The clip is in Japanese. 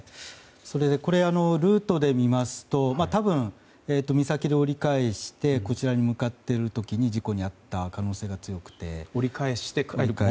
それで、ルートで見ますと多分、岬で折り返してこちらに向かっている時に事故に遭った可能性が強くて。